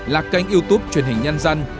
là kênh youtube truyền hình nhân dân